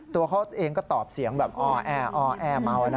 ตัวเขาเองก็ตอบเสียงแบบอ้อแอเมานะ